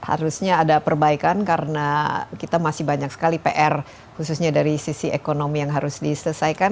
harusnya ada perbaikan karena kita masih banyak sekali pr khususnya dari sisi ekonomi yang harus diselesaikan